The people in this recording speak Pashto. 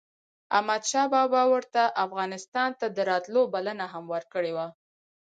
احمد شاه بابا ورته افغانستان ته دَراتلو بلنه هم ورکړې وه